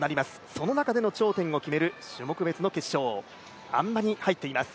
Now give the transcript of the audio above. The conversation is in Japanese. その中での頂点を決める種目別の決勝あん馬に入っています。